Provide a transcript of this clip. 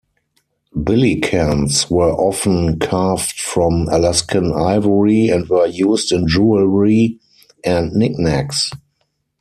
Billikens were often carved from Alaskan ivory and were used in jewelry and knick-knacks.